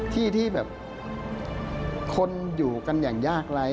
ที่ที่แบบคนอยู่กันอย่างยากไร้